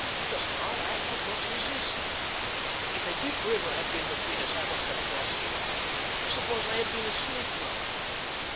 Just now I could not resist. If a deep river had been between us, I must have crossed it. Suppose I had been asleep now?"